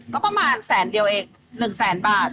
ก็ประมาณแสนเดียวเอง๑แสนบาท